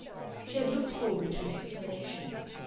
She had looked forward to an explanation.